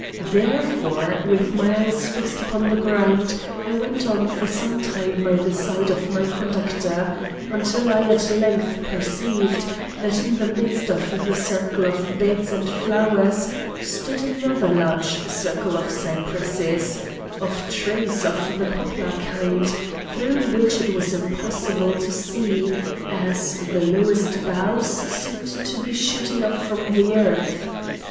Therefore, with my eyes fixed upon the ground, I went on for some time by the side of my conductor, until I at length perceived, that in the midst of the circle of beds and flowers, stood another large circle of cypresses, or trees of the poplar kind, through which it was impossible to see, as the lowest boughs seemed to be shooting up from the earth.